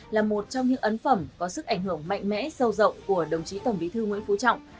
là một trong những ấn phẩm có sức ảnh hưởng mạnh mẽ sâu rộng của đồng chí tổng bí thư nguyễn phú trọng